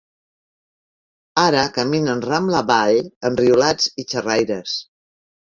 Ara caminen Rambla avall, enriolats i xerraires.